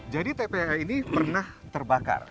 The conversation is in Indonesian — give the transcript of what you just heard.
jadi tpa ini pernah terbakar